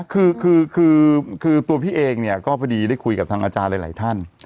คือคือตัวพี่เองเนี่ยก็พอดีได้คุยกับทางอาจารย์หลายท่าน